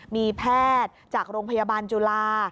มีแพทย์จากโรงพยาบาลจุฬา